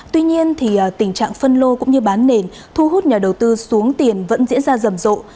tuy nhiên tình trạng phân lô cũng như bán nền thu hút nhà đầu tư xuống tiền vẫn diễn ra rầm rộ